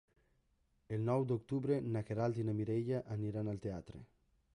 El nou d'octubre na Queralt i na Mireia aniran al teatre.